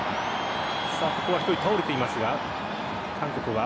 ここは１人倒れていますが。